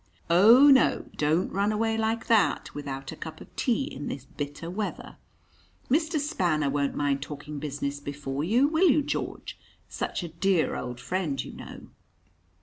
"Oh, no, don't run away like that, without a cup of tea, in this bitter weather. Mr. Spanner won't mind talking business before you, will you, George? Such a dear old friend, you know."